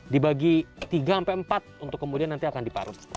dibagi tiga sampai empat untuk kemudian nanti akan diparut